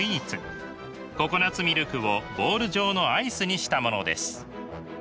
ココナツミルクをボール状のアイスにしたものです。